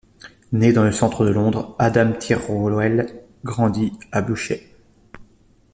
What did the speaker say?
Né dans le centre de Londres, Adam Thirlwell grandit à Bushey.